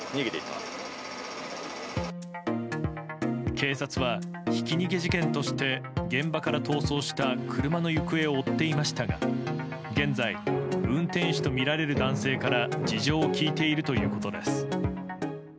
警察は、ひき逃げ事件として現場から逃走した車の行方を追っていましたが現在、運転手とみられる男性から事情を聴いているということです。